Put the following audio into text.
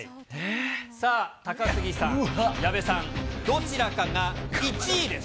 さあ、高杉さん、矢部さん、どちらかが１位です。